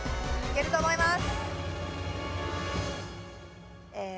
あると思います。